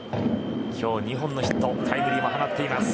今日２本のヒットタイムリーも放っています。